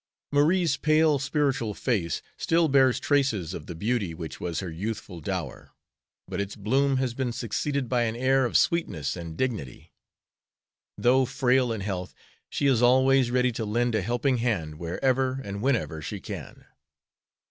Marie's pale, spiritual face still bears traces of the beauty which was her youthful dower, but its bloom has been succeeded by an air of sweetness and dignity. Though frail in health, she is always ready to lend a helping hand wherever and whenever she can.